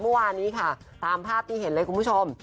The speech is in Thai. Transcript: เมื่อวานนี้ค่ะตามภาพที่เห็นเลยคุณผู้ชม